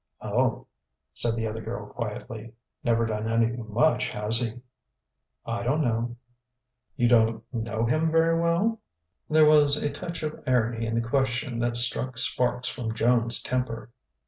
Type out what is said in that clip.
"Oh," said the other girl quietly. "Never done anything much, has he?" "I don't know." "You don't know him very well?" There was a touch of irony in the question that struck sparks from Joan's temper.